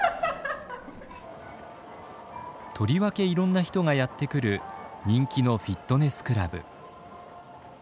とりわけいろんな人がやって来る人気のフィットネスクラブ。